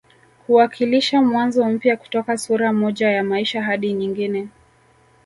Kuwakilisha mwanzo mpya kutoka sura moja ya maisha hadi nyingine